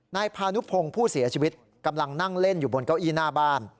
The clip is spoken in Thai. นายพานุพงศ์ผู้เสียชีวิตกำลังนั่งเล่นอยู่บนเก้าอี้หน้าบ้าน